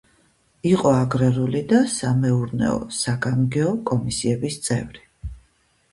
იყო აგრარული და სამეურნეო-საგამგეო კომისიების წევრი.